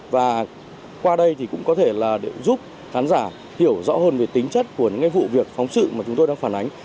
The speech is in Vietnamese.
và qua đây thì cũng có thể là để giúp khán giả hiểu rõ hơn về tính chất của những vụ việc phóng sự mà chúng tôi đang phản ánh